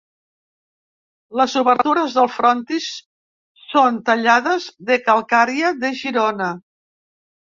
Les obertures del frontis són tallades de calcària de Girona.